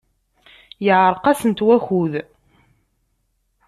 Yeɛreq-asent wakud.